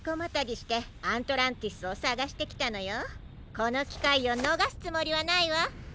このきかいをのがすつもりはないわ。